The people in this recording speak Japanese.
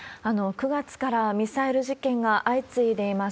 ９月から、ミサイル実験が相次いでいます。